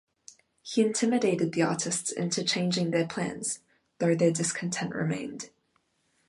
He intimidated the artists into changing their plans, though their discontent remained.